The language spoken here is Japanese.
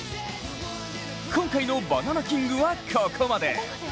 今回のバナナＫＩＮＧはここまで。